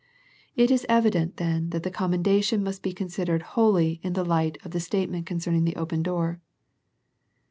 It is evident then that the commendation must be considered wholly in the light of the state ment concerning the open door.